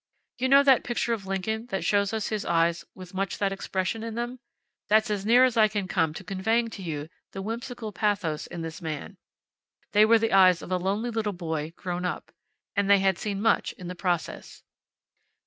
You know that picture of Lincoln that shows us his eyes with much that expression in them? That's as near as I can come to conveying to you the whimsical pathos in this man. They were the eyes of a lonely little boy grown up. And they had seen much in the process.